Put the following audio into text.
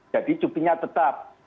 jadi cutinya tetap